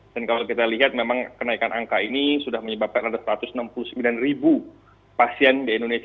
kalau kita lihat memang kenaikan angka ini sudah menyebabkan ada satu ratus enam puluh sembilan ribu pasien di indonesia